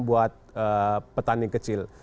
buat petani kecil